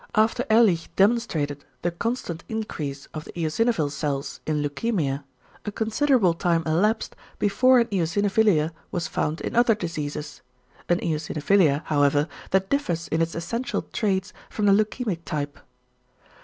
After Ehrlich demonstrated the constant increase of the eosinophil cells in leukæmia a considerable time elapsed before an eosinophilia was found in other diseases, an eosinophilia however that differs in its essential traits from the leukæmic type.